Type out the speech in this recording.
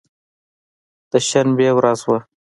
د شنبې ورځ وه.